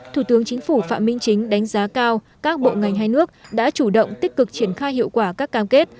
thủ tướng chính phủ phạm minh chính đánh giá cao các bộ ngành hai nước đã chủ động tích cực triển khai hiệu quả các cam kết